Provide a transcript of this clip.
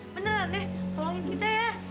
beneran de tolongin kita ya